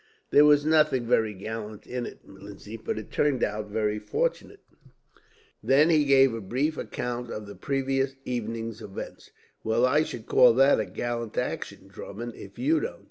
"There was nothing very gallant in it, Lindsay; but it turned out very fortunate." Then he gave a very brief account of the previous evening's events. "Well I should call that a gallant action, Drummond, if you don't.